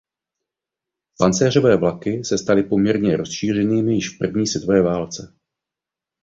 Pancéřové vlaky se staly poměrně rozšířenými již v první světové válce.